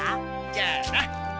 じゃあな。